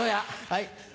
はい。